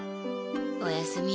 おやすみ。